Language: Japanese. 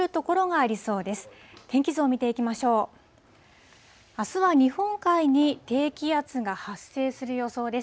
あすは日本海に低気圧が発生する予想です。